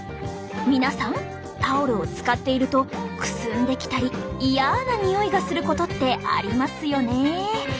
皆さんタオルを使っているとくすんできたりイヤなにおいがすることってありますよね。